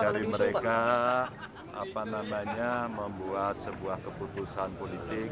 dari mereka membuat sebuah keputusan politik